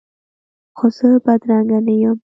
خو زه بدرنګه نه یم